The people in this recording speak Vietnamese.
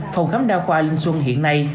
phòng khám đa khoa linh xuân hiện nay